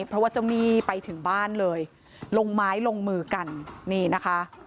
เพราะว่าเจ้าหนี้ไปถึงบ้านเลยลงไม้ลงมือกันนี่นะคะ